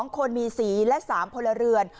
๒คนมีสีและ๓พลเรือน